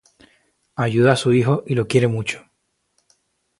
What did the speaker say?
Ayuda a su hijo y lo quiere mucho.